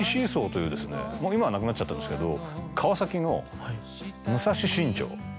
もう今はなくなっちゃったんですけど。